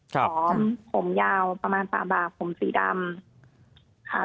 สนอมผมยาวประมาณ๓บาทผมสีดำ